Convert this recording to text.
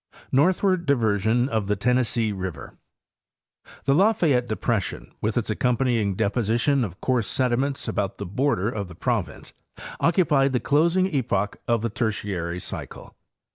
Northward diversion of the Tennessee River—The Lafayette de pression, with its accompanying deposition of coarse sediments about the border of the province, occupied the closing epoch of the Tertiary cycle.